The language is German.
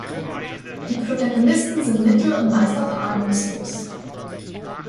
Die Protagonisten sind mittel- und meist auch ahnungslos.